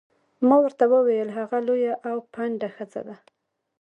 ما ورته وویل: هغه لویه او پنډه ښځه.